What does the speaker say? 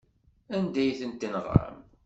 Anda ay ten-tenɣam?